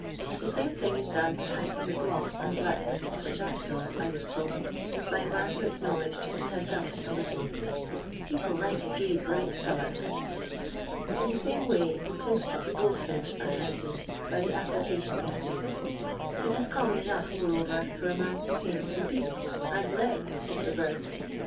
The same thing is done to heighten the gloss and blackneu of a jackdaw, I was told, by a man who acknow ledged he had duffed a little ; "people liked a gay Ivight colour." In the same way the tints of the goldfinch are heightened by the application of paint It is common enough, moreover, for a man to paint the beaks and less of the birds.